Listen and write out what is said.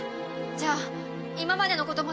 じゃあ今までのことも全部？